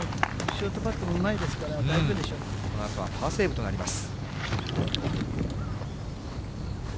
ショートパットもうまいですから、パーセーブとなります。